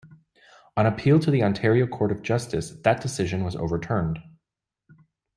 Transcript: On appeal to the Ontario Court of Justice, that decision was overturned.